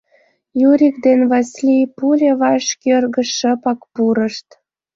Юрик ден Васлий пу леваш кӧргыш шыпак пурышт.